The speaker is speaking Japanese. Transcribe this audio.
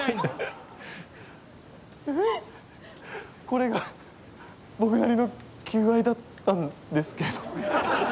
これが僕なりの求愛だったんですけど。